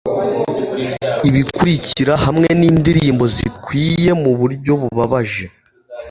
Ibikurikira hamwe nindirimbo zikwiye muburyo bubabaje